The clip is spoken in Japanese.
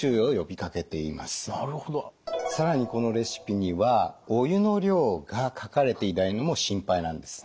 更にこのレシピにはお湯の量が書かれていないのも心配なんです。